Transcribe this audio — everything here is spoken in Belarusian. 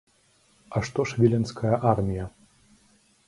А што ж віленская армія?